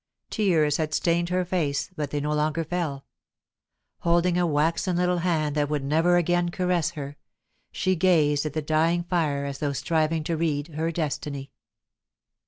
Tears had stained her face, but they no longer fell. Holding a waxen little hand that would never again caress her, she gazed at the dying fire as though striving to read her destiny.